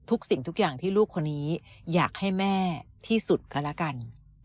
สิ่งทุกอย่างที่ลูกคนนี้อยากให้แม่ที่สุดก็แล้วกัน